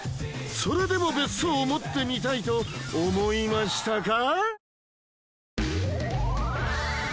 それでも別荘を持ってみたいと思いましたか？